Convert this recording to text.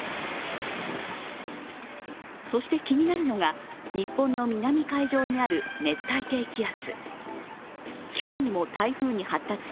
そして気になるのが、日本の南海上にある熱帯低気圧。